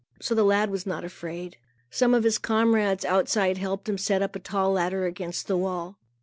So the lad was not afraid. Some of his comrades outside helped him to set up a tall ladder against the wall.